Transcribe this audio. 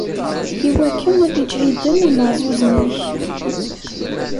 Iwakken ad iǧhiden imaɛzuzen-ik.